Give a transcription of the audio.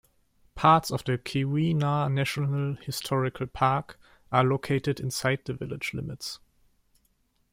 Parts of the Keweenaw National Historical Park are located inside the village limits.